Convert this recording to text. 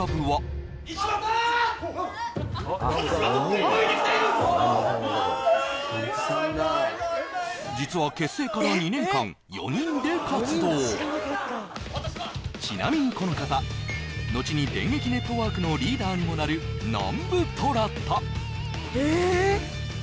あ痛い痛い痛い実はちなみにこの方のちに電撃ネットワークのリーダーにもなる南部虎弾え